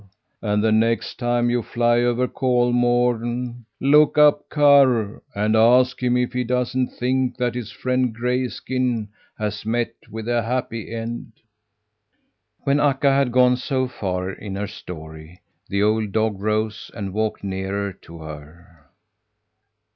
And the next time you fly over Kolmården, look up Karr, and ask him if he doesn't think that his friend Grayskin has met with a happy end?'" When Akka had gone so far in her story the old dog rose and walked nearer to her.